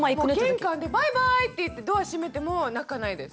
玄関でバイバーイって言ってドア閉めても泣かないです。